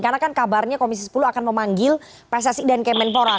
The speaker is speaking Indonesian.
karena kan kabarnya komisi sepuluh akan memanggil presiden kemenpora